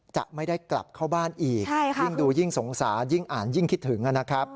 จะไม่ได้กลับเข้าบ้านอีกยิ่งดูยิ่งสงสารยิ่งอ่านยิ่งคิดถึงนะครับ